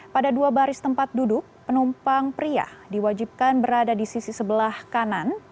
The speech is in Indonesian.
pada dua baris tempat duduk penumpang pria diwajibkan berada di sisi sebelah kanan